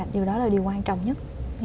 điều đó là điều quan trọng nhất